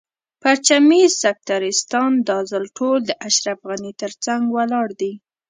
پرچمي سکتریستان دا ځل ټول د اشرف غني تر څنګ ولاړ دي.